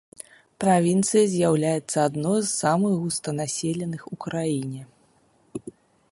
Правінцыя з'яўляецца адной з самых густанаселеных ў краіне.